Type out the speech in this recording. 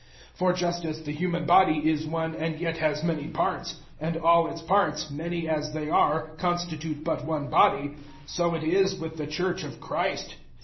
012:012 For just as the human body is one and yet has many parts, and all its parts, many as they are, constitute but one body, so it is with the Church of Christ.